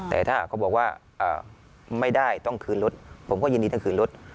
แต่ถ้าหากเขาบอกว่าไม่ได้ต้องคืนรถผมก็ยินดีทั้งคืนรถ